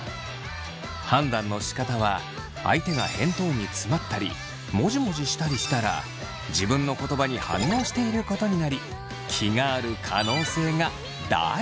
判断のしかたは相手が返答に詰まったりもじもじしたりしたら自分の言葉に反応していることになり気がある可能性が大。